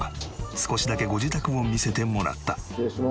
少しだけご自宅を見せてもらった。